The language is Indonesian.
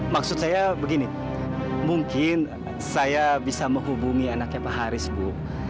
maksud saya begini mungkin saya bisa menghubungi anaknya pak haris bu